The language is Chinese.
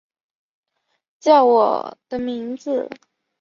叫我的名字